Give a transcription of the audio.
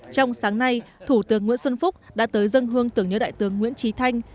trong sáng nay thủ tướng nguyễn xuân phúc đã tới dân hương tưởng nhớ đại tướng nguyễn trí thanh